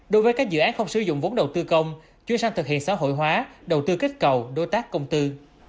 đối với các dự án không sử dụng vốn đầu tư công chuyên sang thực hiện xã hội hóa đầu tư kết cầu đối tác công tư